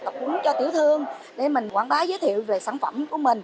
cũng cho tiểu thương để mình quảng bá giới thiệu về sản phẩm của mình